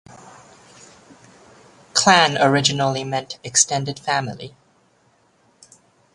Clan originally meant extended family.